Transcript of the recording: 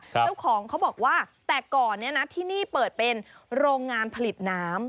เจ้าของเขาบอกว่าแต่ก่อนที่นี่เปิดเป็นโรงงานผลิตน้ำ